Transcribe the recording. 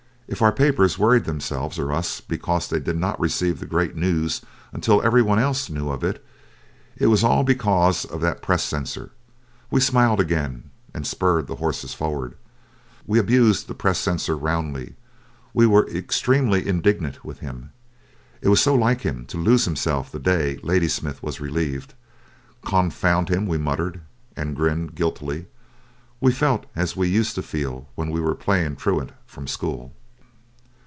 If our papers worried themselves or us because they did not receive the great news until every one else knew of it, it was all because of that press censor. We smiled again and spurred the horses forward. We abused the press censor roundly we were extremely indignant with him. It was so like him to lose himself the day Ladysmith was relieved. "Confound him," we muttered, and grinned guiltily. We felt as we used to feel when we were playing truant from school.